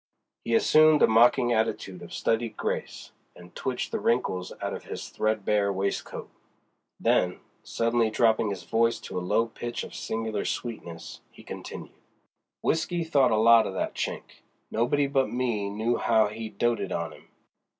He assumed a mocking attitude of studied grace, and twitched the wrinkles out of his threadbare waistcoat. Then, suddenly dropping his voice to a low pitch of singular sweetness, he continued: "W'isky thought a lot o' that Chink; nobody but me knew how 'e doted on 'im.